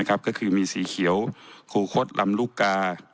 ก็คือมีสีเขียวคูคศลำลูกกา